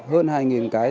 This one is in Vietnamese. hơn hai nghìn cái